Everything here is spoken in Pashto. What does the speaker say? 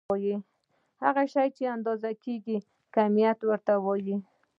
هر هغه شی چې اندازه کيږي کميت ورته وايې.